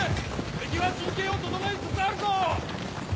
敵は陣形を整えつつあるぞ！